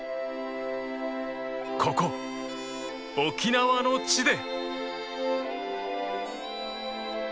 ここ、沖縄の地で。